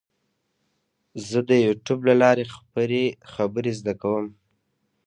زه د یوټیوب له لارې خبرې زده کوم.